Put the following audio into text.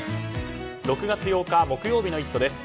６月８日、木曜日の「イット！」です。